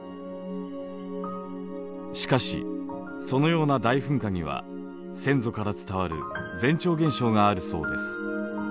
しかしそのような大噴火には先祖から伝わる前兆現象があるそうです。